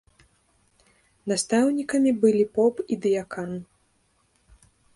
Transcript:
Настаўнікамі былі поп і дыякан.